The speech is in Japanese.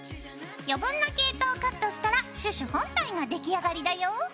余分な毛糸をカットしたらシュシュ本体が出来上がりだよ。